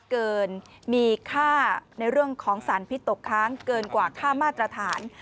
เกินมีค่าในเรื่องของสารพิษตกค้างเกินกว่าค่ามาตรฐาน